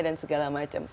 dan segala macem